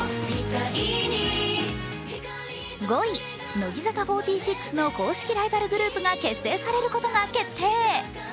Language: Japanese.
乃木坂４６の公式ライバルグループが結成されることが決定。